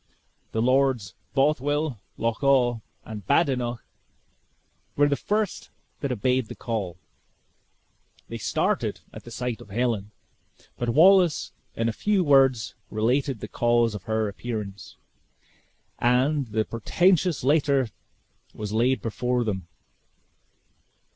The Lords Bothwell, Loch awe, and Badenoch were the first that obeyed the call. They started at sight of Helen, but Wallace in a few words related the cause of her appearance, and the portentous letter was laid before them.